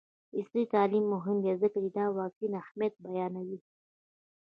عصري تعلیم مهم دی ځکه چې د واکسین اهمیت بیانوي.